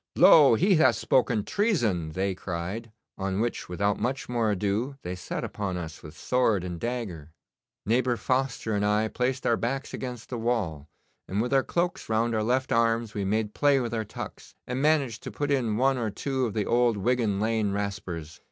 "Lo, he hath spoken treason!" they cried, on which, without much more ado, they set upon us with sword and dagger. Neighbour Foster and I placed our backs against a wall, and with our cloaks round our left arms we made play with our tucks, and managed to put in one or two of the old Wigan Lane raspers.